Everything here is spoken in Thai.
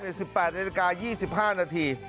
๑๘นาฬิกา๒๕นาที